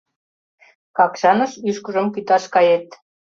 Какшаныш ӱшкыжым кӱташ кает.